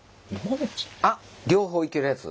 あっ両方いけるやつ？